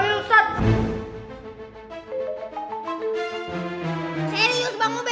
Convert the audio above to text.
serius bang ub